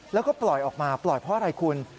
แล้วก็ปล่อยออกมาปล่อยเพราะอะไรคุณ